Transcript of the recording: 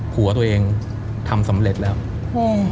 ผัวตัวเองทำสำเร็จแล้วอืม